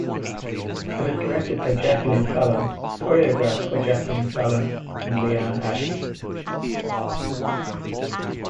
It was directed by Jacqueline Fallon, choreographed by Jacqueline Fallon and Leeanne Ashley.